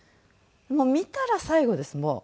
もう見たら最後ですもう。